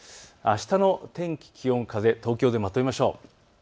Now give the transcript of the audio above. あしたの天気、気温、風、東京でまとめましょう。